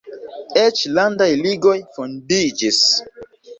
Eĉ landaj ligoj fondiĝis.